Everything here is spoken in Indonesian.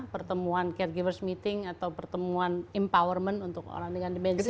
pertemuan caregiverse meeting atau pertemuan empowerment untuk orang dengan dimensi